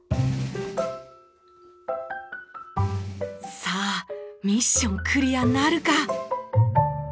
さあミッションクリアなるか！？